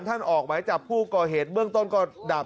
ท่านออกมันจับผู้ก่อเหตุเบื้องต้นดาบ